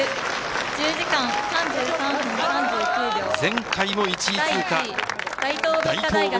前回も１位通過、大東文